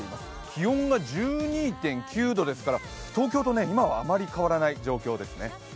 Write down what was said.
気温が１２．９度ですから東京と今はあまり変わらない状況ですね。